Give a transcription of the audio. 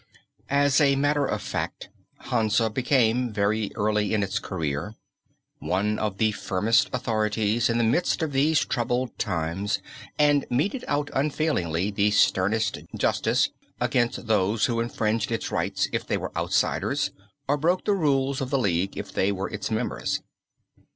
As a matter of fact, Hansa became, very early in its career, one of the firmest authorities in the midst of these troubled times and meted out unfailingly the sternest justice against those who infringed its rights if they were outsiders, or broke the rules of the League if they were its members.